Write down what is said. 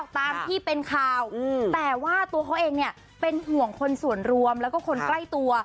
ตามที่เป็นข่าวแต่ว่าตัวเขาเองเนี่ยเป็นห่วงคนส่วนรวมแล้วก็คนใกล้ตัว